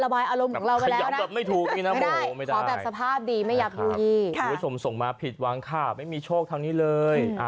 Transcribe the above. เพราะทุกวันส่งมาผิดวางค่ะไม่มีโชคทำให้เลย